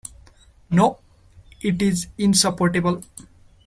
No, it is insupportable.